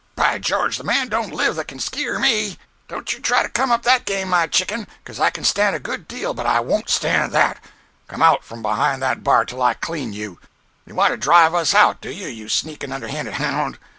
By George, the man don't live that can skeer me! Don't you try to come that game, my chicken—'cuz I can stand a good deal, but I won't stand that. Come out from behind that bar till I clean you! You want to drive us out, do you, you sneakin' underhanded hound!